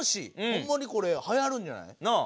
ほんまにこれはやるんじゃない？なあ？